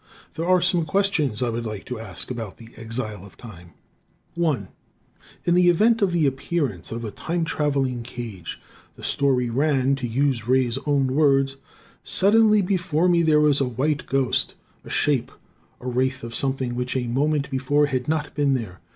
There are some questions I would like to ask about "The Exile of Time." 1 In the event of the appearance of the time traveling cage, the story ran, to use Ray's own words: "Suddenly before me there was a white ghost. A shape. A wraith of something which a moment before had not been there.